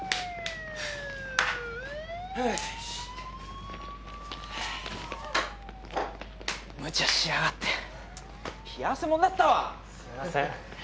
よしむちゃしやがって冷や汗もんだったわすいません